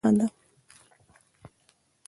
تنوع د افغانستان د ملي هویت نښه ده.